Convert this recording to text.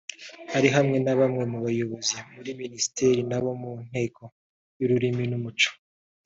Ari hamwe na bamwe mu bayobozi muri Minisiteri n’abo mu Nteko y’Ururimi n’Umuco